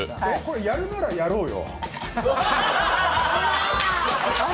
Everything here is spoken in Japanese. やるならやろうよ！